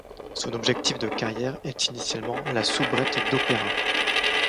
Son objectif de carrière est initialement la soubrette d'opéra.